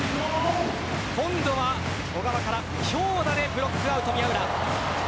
今度は小川から強打でブロックアウト宮浦。